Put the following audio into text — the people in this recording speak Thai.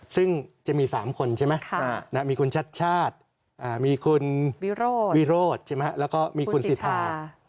ซึ่งจะมี๓คนใช่ไหมมีคุณชัดชาติมีคุณวิโรธใช่ไหมแล้วก็มีคุณสิทธา